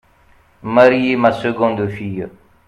Marier ma seconde fille.